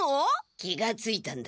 気がついたんだ。